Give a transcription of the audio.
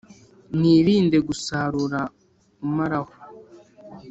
Mwirinde gusarura umaraho .